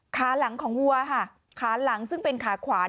ขาหลังของวัวค่ะขาหลังซึ่งเป็นขาขวาน